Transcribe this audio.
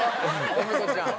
エミコちゃん。